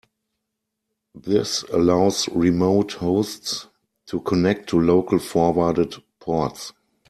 This allows remote hosts to connect to local forwarded ports.